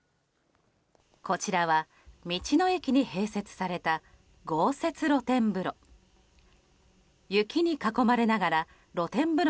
こちらは道の駅に併設された豪雪露天風呂。